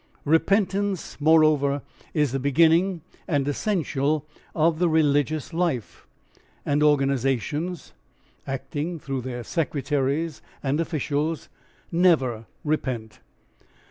Repentance, moreover, is the beginning and essential of the religious life, and organisations (acting through their secretaries and officials) never repent.